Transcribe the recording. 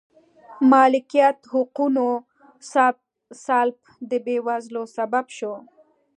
مالکیت حقونو سلب د بېوزلۍ سبب شو.